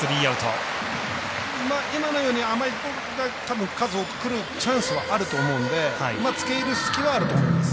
今のように甘いボールが数多くくるチャンスもあると思うんでつけいる隙はあると思います。